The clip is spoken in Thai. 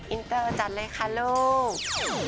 อินเตอร์จัดเลยค่ะลูก